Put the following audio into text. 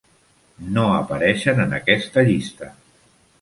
No apareixen en aquesta llista.